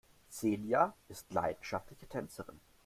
Xenia ist leidenschaftliche Tänzerin.